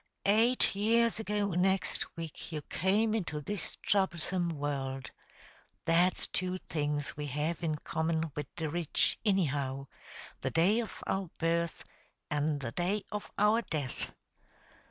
"Eight years ago next week you came into this throublesome world. That's two things we have in common wid the rich, innyhow the day of our birth, an' the day of our death."